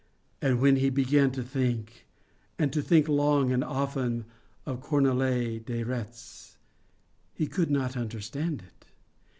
And, when he began to think and to think long and often of Cornélie de Retz, he could not understand it.